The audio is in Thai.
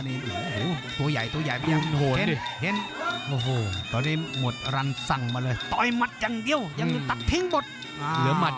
อ่าโอ้โหตัวใหญ่โอ้โหตอนนี้หมดรันสั่งมาเลยต่อยหมัดอย่างเดียวยังตัดทิ้งหมด